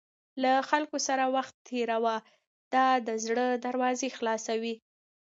له خلکو سره وخت تېروه، دا د زړه دروازې خلاصوي.